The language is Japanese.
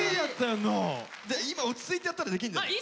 今落ち着いてやったらできんじゃない？